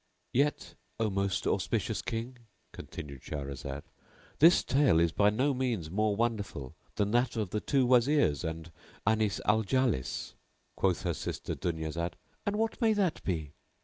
Yet, O most auspicious King! (continued Shahrazad) this tale is by no means more wonderful than that of the two Wazirs and Anís al Jalís. Quoth her sister Dunyazad, "And what may that be?"